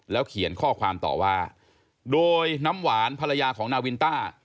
เขียนข้อความต่อว่าโดยน้ำหวานภรรยาของนาวินต้า